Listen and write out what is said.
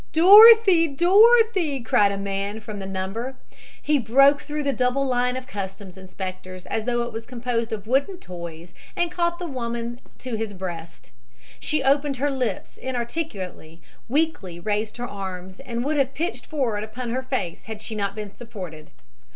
"Dorothy, Dorothy!" cried a man from the number. He broke through the double line of customs inspectors as though it was composed of wooden toys and caught the woman to his breast. She opened her lips inarticulately, weakly raised her arms and would have pitched forward upon her face had she not been supported.